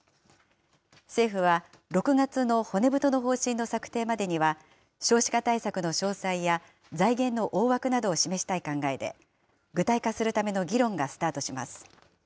政府は６月の骨太の方針の策定までには、少子化対策の詳細や財源の大枠などを示したい考えで、具体化するための議論がスタートします。